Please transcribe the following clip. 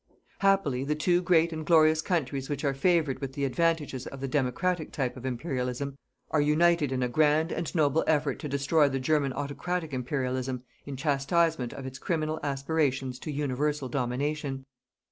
Happily the two great and glorious countries which are favoured with the advantages of the Democratic type of Imperialism are united in a grand and noble effort to destroy the German Autocratic Imperialism in chastisement of its criminal aspirations to universal domination.